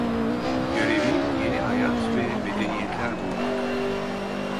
Görevi, yeni hayat ve medeniyetler bulmak…